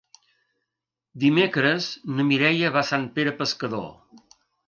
Dimecres na Mireia va a Sant Pere Pescador.